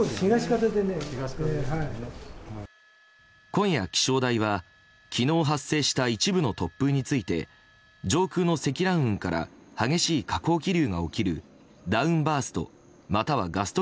今夜、気象台は昨日発生した一部の突風について上空の積乱雲から激しい下降気流が起きるダウンバーストまたはガスト